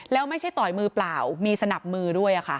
แล้วไม่ใช่ต่อยมือเปล่ามีสนับมือด้วยค่ะ